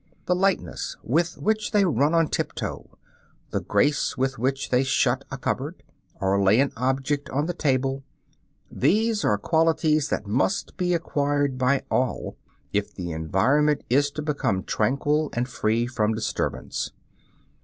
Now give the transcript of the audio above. The lightness with which they run on tiptoe, the grace with which they shut a cupboard, or lay an object on the table, these are qualities that must be acquired by all, if the environment is to become tranquil and free from disturbance.